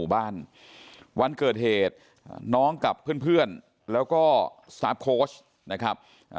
บ้านวันเกิดเหตุน้องกับเพื่อนแล้วก็สตาร์ฟโค้ชนะครับ